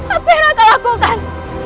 apa yang raka lakukan